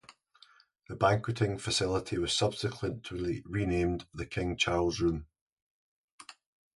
The banqueting facility was subsequently renamed the King Charles Room.